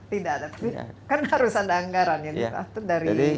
tidak ada kan harus ada anggaran ya